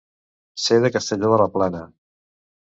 Ser de Castelló de la Plana.